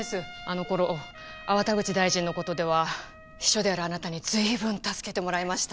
あの頃粟田口大臣の事では秘書であるあなたに随分助けてもらいました。